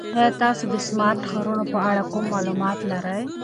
ایا تاسو د سمارټ ښارونو په اړه کوم معلومات لرئ؟